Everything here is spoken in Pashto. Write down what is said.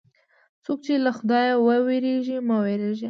څوک چې له خدایه وېرېږي، مه وېرېږه.